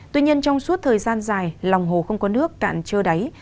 tuy nhiên trong suốt thời gian dài lòng hồ không có nước cạn trơ đáy